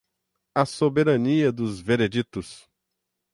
a soberania dos veredictos;